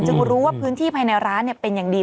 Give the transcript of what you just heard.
รู้ว่าพื้นที่ภายในร้านเป็นอย่างดี